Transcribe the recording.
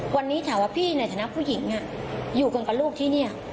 วันนี้ถามว่าพี่ในฐานะผู้หญิงอยู่กันกับลูกที่นี่